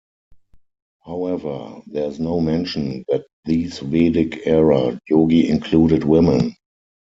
However, there is no mention that these Vedic era Yogi included women.